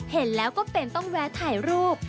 เห็นแล้วก็เป็นต้องแวะถ่ายรูป